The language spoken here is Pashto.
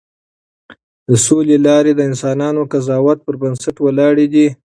د سولې لارې د انسانانه قضاوت پر بنسټ ولاړې دي.